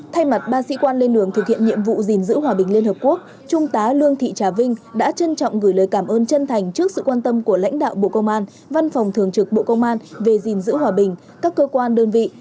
thay mặt ba sĩ quan lên đường thực hiện nhiệm vụ gìn giữ hòa bình liên hợp quốc trung tá lương thị trà vinh đã trân trọng gửi lời cảm ơn chân thành trước sự quan tâm của lãnh đạo bộ công an văn phòng thường trực bộ công an về gìn giữ hòa bình các cơ quan đơn vị